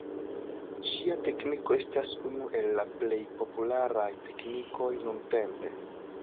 Ŝia tekniko estas unu el la plej popularaj teknikoj nuntempe.